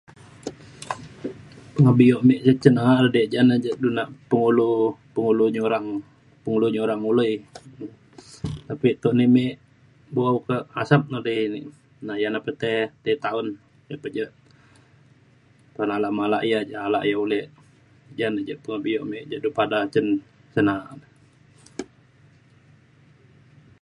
pengebio me ja cin na’a edi jana du nak pengulu pengulu Nyurang pengulu Nyurang Uloi tapi to nei me bu’au kak Asap ne odai na ia’ na pe tei tei taun tai pa je un alak malak alak ia’ alak ia ulek ja na ja pe bio me ju pada cen na’a te